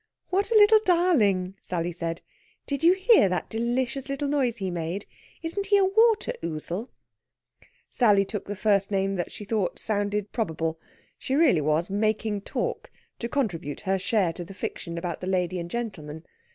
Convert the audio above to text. "What a little darling!" Sally said. "Did you hear that delicious little noise he made? Isn't he a water ouzel?" Sally took the first name that she thought sounded probable. She really was making talk, to contribute her share to the fiction about the lady and gentleman.